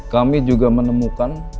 kami juga menemukan